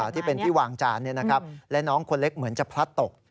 ที่เป็นที่วางจานและน้องคนเล็กเหมือนจะพลัดตก